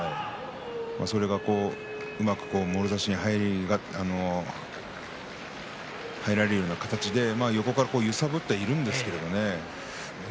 それが、うまくもろ差しに入られるような形で横から揺さぶってはいるんですけどね。